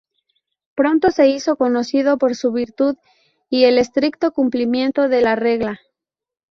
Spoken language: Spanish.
Pronto se hizo conocido por su virtud y el estricto cumplimiento de la regla.